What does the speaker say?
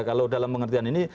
kalau dalam pengertian ini